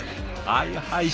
はいはい